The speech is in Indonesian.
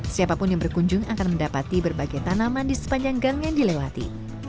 siapapun yang berkunjung akan mendapati berbagai tanaman di sepanjang gang yang dilewati